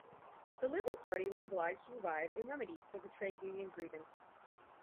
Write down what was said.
The Liberal Party was obliged to provide a remedy for the trade union grievance.